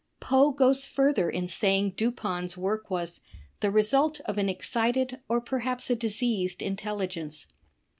Poe goes further in saying Dupin's work was "The result of an excited or perhaps a diseased intelligence."